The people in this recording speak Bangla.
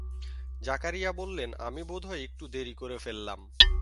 জাকারিয়া বললেন, আমি বোধহয় একটু দেরি করে ফেললাম।